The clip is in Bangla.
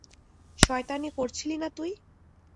শয়তানি করছিলি না তুই?